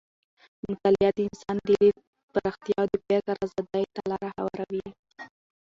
مطالعه د انسان د لید پراختیا او د فکر ازادۍ ته لاره هواروي.